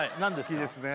好きですね